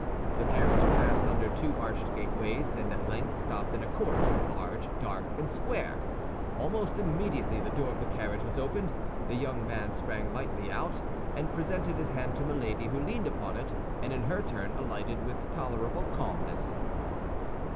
The carriage passed under two arched gateways, and at length stopped in a court large, dark, and square. Almost immediately the door of the carriage was opened, the young man sprang lightly out and presented his hand to Milady, who leaned upon it, and in her turn alighted with tolerable calmness.